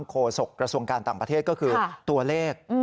โศกระทรวงการต่างประเทศก็คือตัวเลข